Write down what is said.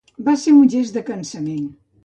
Va fer un gest de cansament.